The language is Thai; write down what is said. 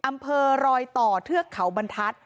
อำเภอรอยต่อเทือกเขาบรรทัศน์